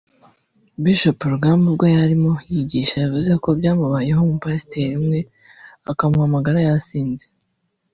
Bishop Rugamba ubwo yarimo yigisha yavuze ko byamubayeho umupasiteri umwe akamuhamagara yasinze